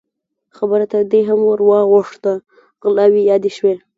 خبره تر دې هم ور واوښته، غلاوې يادې شوې.